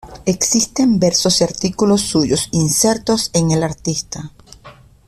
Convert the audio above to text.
Existen versos y artículos suyos insertos en "El Artista".